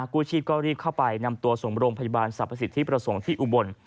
กู้ชีพก็รีบเข้าไปนำตัวส่งโรงพยาบาลสรรพสิทธิประสงค์ที่อุบล